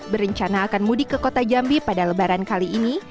berencana akan mudik ke kota jambi pada lebaran kali ini